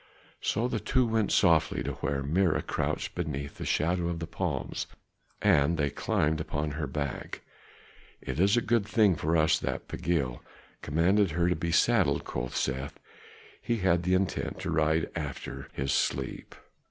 So the two went softly to where Mirah crouched beneath the shadow of the palms, and they climbed upon her back. "It is a good thing for us that Pagiel commanded her to be saddled," quoth Seth. "He had the intent to ride after his sleep."